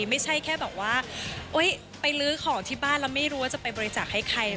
ไม่ใช่แค่แบบว่าไปลื้อของที่บ้านแล้วไม่รู้ว่าจะไปบริจาคให้ใคร